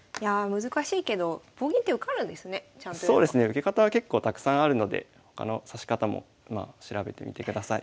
受け方は結構たくさんあるので他の指し方も調べてみてください。